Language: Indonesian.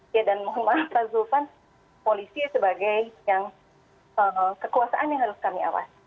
ya dan mohon maaf pak zulfan polisi sebagai yang kekuasaan yang harus kami awas